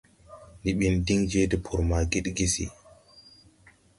Ndi ɓin diŋ je tpur ma Gidgisi.